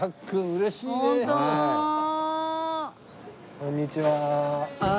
こんにちは。